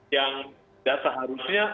yang tidak seharusnya